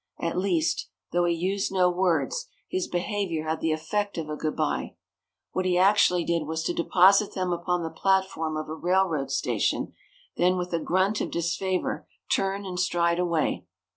At least, though he used no words, his behavior had the effect of a good bye. What he actually did was to deposit them upon the platform of a railroad station, then with a grunt of disfavor turn and stride away.